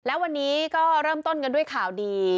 และวันนี้ก็เริ่มต้นกันด้วยข่าวดี